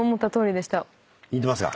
似てますか？